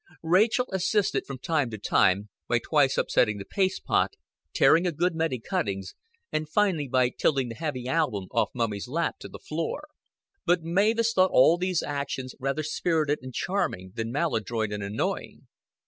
Rachel assisted from time to time, by twice upsetting the paste pot, tearing a good many cuttings, and finally by tilting the heavy album off Mummy's lap to the floor. But Mavis thought all these actions rather spirited and charming than maladroit and annoying.